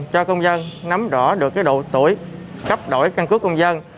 cho công dân nắm rõ được độ tuổi cấp đổi căn cước công dân